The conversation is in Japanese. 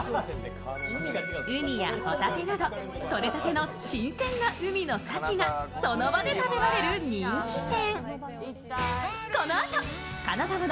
ウニやホタテなどとれたての新鮮な海の幸がその場で食べられる人気店。